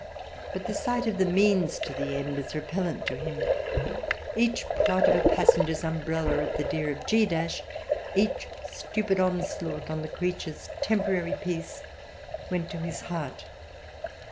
But the sight of the means to the end is repellent to him. Each prod of a passenger's umbrella at the deer of G , each stupid onslaught on the creature's temporary peace, went to his heart.